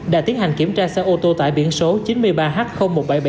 đã tiến hành kiểm tra xe ô tô tại biển số chín mươi ba h một nghìn bảy trăm bảy mươi chín